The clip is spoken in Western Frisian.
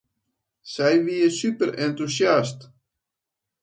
Sy wie superentûsjast.